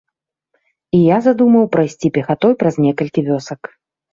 І я задумаў прайсці пехатой праз некалькі вёсак.